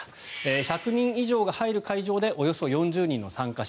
１００人以上が入る会場でおよそ４０人の参加者。